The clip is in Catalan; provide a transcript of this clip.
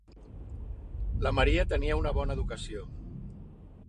La Maria tenia una bona educació.